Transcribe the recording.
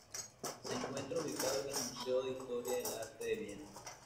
Se encuentra ubicado en el Museo de Historia del Arte de Viena.